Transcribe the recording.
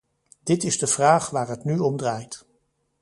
Dit is de vraag waar het nu om draait.